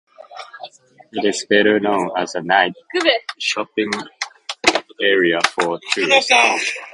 It is better known as a night shopping area for tourists.